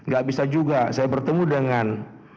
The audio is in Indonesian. gak bisa juga saya bertemu dengan